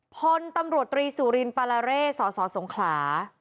พลตำรวจตรีสุรินปาลาเร่สสสสงขลา